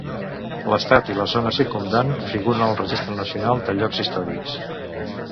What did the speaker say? L'estat i la zona circumdant figuren al Registre Nacional de Llocs Històrics.